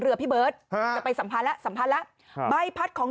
เรือพี่เบิร์ตจะไปสัมภัยแล้วสัมภัยแล้วใบพัดของ